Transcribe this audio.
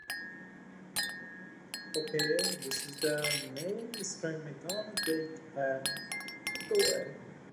সমগ্র খেলোয়াড়ী জীবনে চারটিমাত্র টেস্টে অংশগ্রহণ করেছেন ফ্রাঙ্ক নিকোলসন।